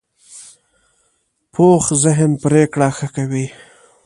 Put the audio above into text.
پوخ ذهن پرېکړه ښه کوي